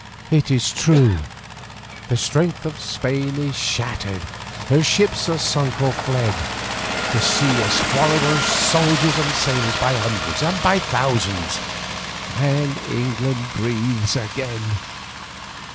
It is true, the strength of Spain is shattered, her ships are sunk or fled, the sea has swallowed her soldiers and her sailors by hundreds and by thousands, and England breathes again.